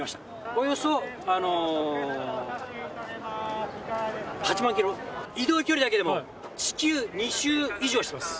およそ８万キロ、移動距離だけでも地球２周以上してます。